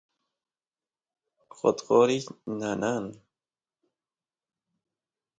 qotqoriy nanan